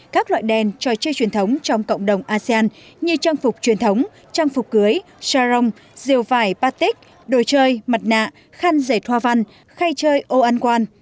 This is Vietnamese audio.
các loại đen trò chơi truyền thống trong cộng đồng asean như trang phục truyền thống trang phục cưới xa rong rìu vải patik đồ chơi mặt nạ khăn dày thoa văn khay chơi ô ăn quan